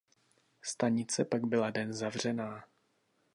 Stanice pak byla den zavřená.